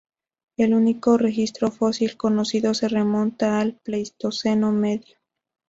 El único registro fósil conocido se remonta al Pleistoceno Medio.